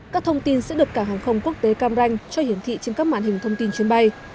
các thông tin sẽ được cảng hàng không quốc tế cam ranh cho hiển thị trên các mạng hình thông tin chuyến bay